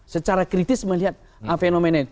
secara kritis melihat fenomena itu